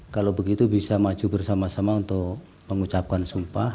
kalau begitu bisa maju bersama sama untuk mengucapkan sumpah